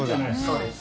そうです。